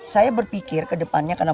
saya berpikir ke depannya karena